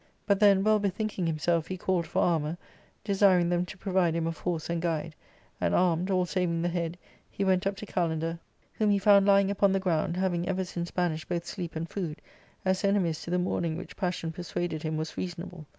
But then, well bethinking himself, he called for armour, desiring them to provide him of horse and guide ; and armed, aU saving the head, he went up to Kalander, whom he 32 ARCADIA.—Book I. found lying upon the ground, having ever since banished both sleep and food, as enemies to the mourning which passion persuaded him was reasonable.